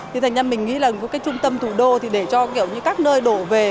thì thành ra mình nghĩ là một cái trung tâm thủ đô để cho các nơi đổ về